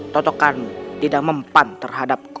totokanmu tidak mempan terhadapku